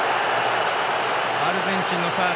アルゼンチンのファウル。